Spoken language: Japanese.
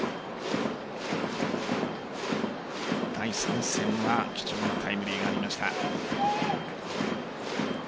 第３戦は貴重なタイムリーがありました。